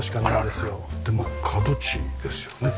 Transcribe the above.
でも角地ですよね。